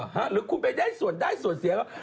หรือคุณไปได้ส่วนได้ส่วนเสียว่า